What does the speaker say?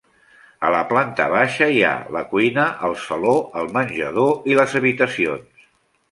A la planta baixa hi ha la cuina, el saló, el menjador i les habitacions.